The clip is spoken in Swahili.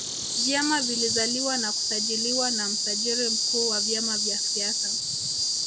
vyama vilizaliwa na kusajiliwa na msajiri mkuu wa vyama vya siasa